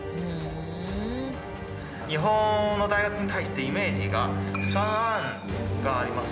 日本の大学に対してイメージが３安があります。